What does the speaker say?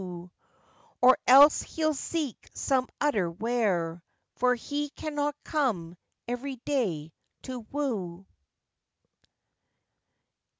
Cho. Or else he'll zeeke zome oder where, For he cannot come every day to woo.